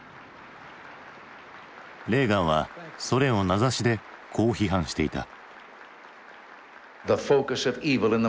レーガンはソ連を名指しでこう批判していた。